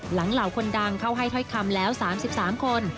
เหล่าคนดังเข้าให้ถ้อยคำแล้ว๓๓คน